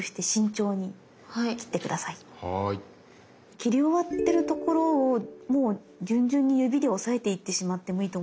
切り終わってるところをもう順々に指で押さえていってしまってもいいと思います。